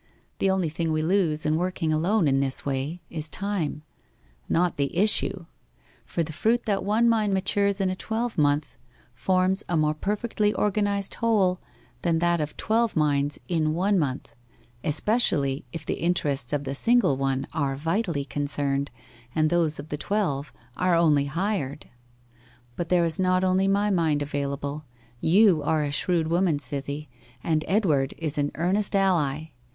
The only thing we lose in working alone in this way, is time not the issue: for the fruit that one mind matures in a twelvemonth forms a more perfectly organized whole than that of twelve minds in one month, especially if the interests of the single one are vitally concerned, and those of the twelve are only hired. But there is not only my mind available you are a shrewd woman, Cythie, and Edward is an earnest ally.